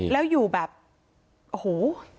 แล้วอยู่แบบโอ้โห